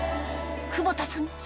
久保田さん